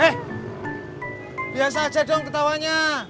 eh biasa aja dong ketawanya